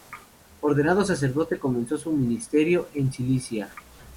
Ordenado sacerdote, comenzó su ministerio en Cilicia.